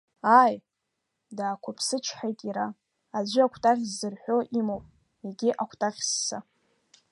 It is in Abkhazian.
Ааи, даақәыԥсычҳаит иара, аӡәы акәтаӷь ззырҳәо имоуп, егьи акәтаӷьсса.